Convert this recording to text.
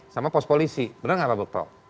sama pos polisi benar gak pak bekto